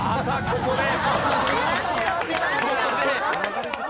ここで。